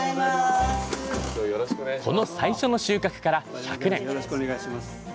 この最初の収穫から１００年。